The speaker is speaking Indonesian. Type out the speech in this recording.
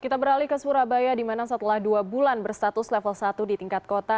kita beralih ke surabaya di mana setelah dua bulan berstatus level satu di tingkat kota